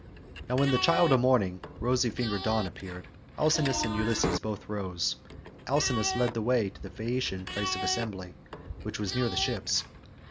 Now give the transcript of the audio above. Now when the child of morning, rosy fingered Dawn, appeared, Alcinous and Ulysses both rose, and Alcinous led the way to the Phaeacian place of assembly, which was near the ships.